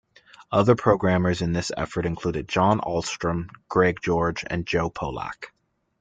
Other programmers in this effort included John Ahlstrom, Greg George, and Joe Polak.